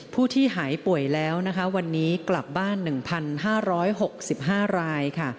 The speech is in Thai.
ผู้ที่หายป่วยแล้วนะคะวันนี้กลับบ้าน๑๕๖๕รายค่ะ